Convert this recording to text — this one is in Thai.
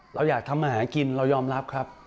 เราอยากทำอาหารกินเรายอมรับครับ